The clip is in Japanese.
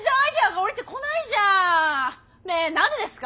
ねえ何でですか？